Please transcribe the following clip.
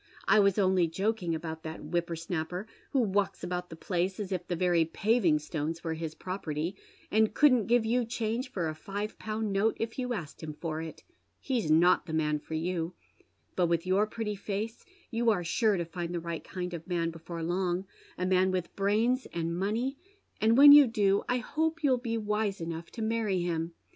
I was only joking about that whipper unapper, who walks about the place as if the very paving stones were his property, and couldn't give you change for a five pound note if you asked him for it. He's not the man for you. But with your pretty face you are sure to find the right kind of man before long, a man with brains and money, and when you do I hope you'll be wise enough to many him.